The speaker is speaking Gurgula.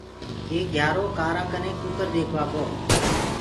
ايڪ گھيآرو ڪآرآ ڪني ڪٚڪَر ديکوآ گو۔